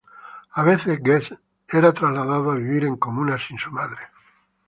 A veces Guest era trasladado a vivir en comunas sin su madre.